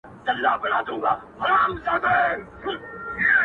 د ميني كرښه د رحمت اوبو لاښه تازه كــــــړه,